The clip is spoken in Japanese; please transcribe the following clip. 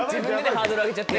ハードル上げちゃって。